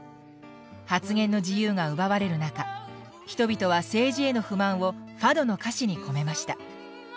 発言の自由が奪われる中人々は政治への不満をファドの歌詞に込めました。